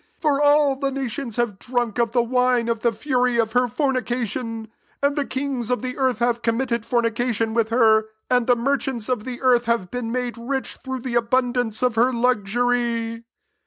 3 For all the nations have drunk of the wine of the fury of her fornication; and the kings of the earth have committed for* nication with her, i^id the mer* chants of the earth have been made rich through the abund ance of her luxury."